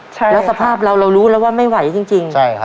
ใช่ค่ะสภาพเรารู้แล้วว่าไม่ไหวจริง